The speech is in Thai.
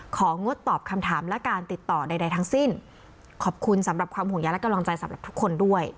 งดตอบคำถามและการติดต่อใดทั้งสิ้นขอบคุณสำหรับความห่วงใยและกำลังใจสำหรับทุกคนด้วย